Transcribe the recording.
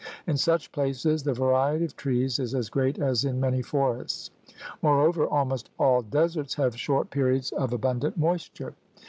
In such places the variety of trees is as great as in many forests. Moreover almost all deserts have short periods of abundant moisture.